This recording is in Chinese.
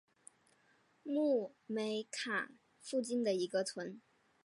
穆梅卡附近的一个村。